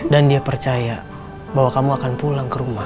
dan dia percaya bahwa kamu akan pulang ke rumah